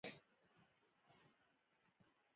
په ځنځیرونو کې پراته ول.